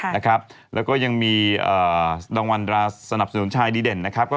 นะครับแล้วก็ยังมีเอ่อดังวัลดราสนับสนุนชายดีเด่นนะครับ